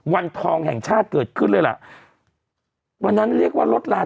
วันทองแห่งชาติเกิดขึ้นเลยล่ะวันนั้นเรียกว่าลดลาน